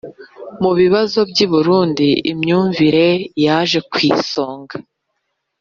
mu bibazo by u Burundi Imyumvire yaje ku isonga